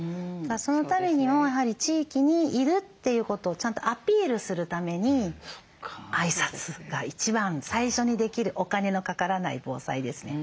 そのためにもやはり地域にいるということをちゃんとアピールするために挨拶が一番最初にできるお金のかからない防災ですね。